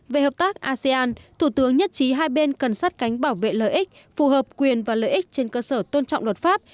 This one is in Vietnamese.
về hợp tác asean thủ tướng nhất trí hai bên cần sát cánh bảo vệ lợi ích phù hợp quyền và lợi ích trên cơ sở tôn trọng luật pháp